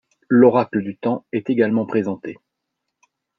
L’Oracle du Temps est également présenté …